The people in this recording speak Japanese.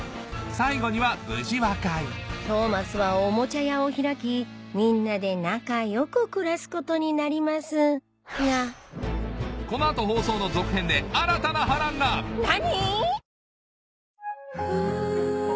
最後には無事和解トーマスはおもちゃ屋を開きみんなで仲良く暮らすことになりますがこの後放送の続編で新たな波乱が何！